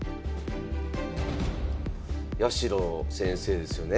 八代先生ですよね。